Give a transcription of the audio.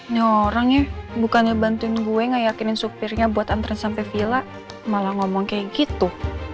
nih orangnya bukannya bantuin gue gak yakinin supirnya buat antren sampai villa malah ngomong kayak gitu